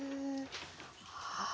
はあ。